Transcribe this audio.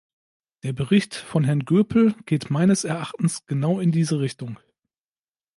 Der Bericht von Herrn Goepel geht meines Erachtens genau in diese Richtung.